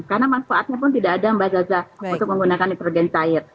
karena manfaatnya pun tidak ada mbak zaza untuk menggunakan nitrogen cair